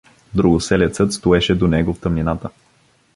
Другоселецът стоеше до него в тъмнината.